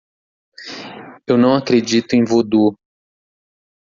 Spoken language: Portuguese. Eu não acredito em vodu.